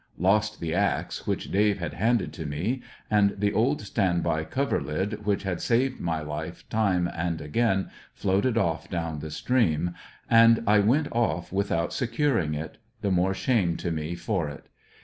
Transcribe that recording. Lost the axe, which Dave had handed to me, and the old stand by coverlid w^hich had saved my life time and again floated off down the stream, and I went off without securing it — the more shame to me for it.